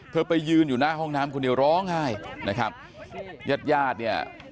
ไปยืนอยู่หน้าห้องน้ำคนเดียวร้องไห้นะครับญาติญาติเนี่ย